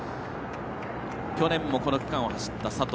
去年もこの区間を走った佐藤。